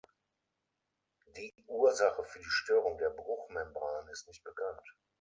Die Ursache für die Störung der Bruch-Membran ist nicht bekannt.